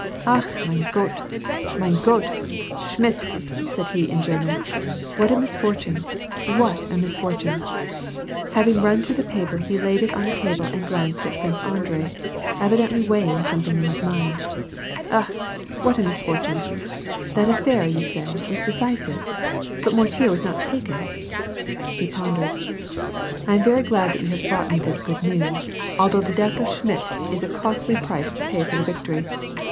" Ach mein Gott ! mein Gott ! Schmidt !" said he, in German. " What a misfortune ! what a misfortune !'^ Having run through the paper he laid it on the table and glanced at Prince Andrei, evidently weighing something in his mind. " Ach ! what a misfortune ! The affair you say, was decisive ? But Mortier was not taken." He pondered. " Vm very glad that you have brought this good news, although the death of Schmidt is a costly price to pay for the victory.